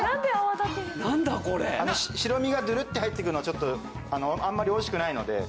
白身がドゥルッて入ってくるのはちょっとあんまり美味しくないので。